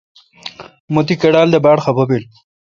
مہ تی کیڈال دے باڑ خفہ بیل۔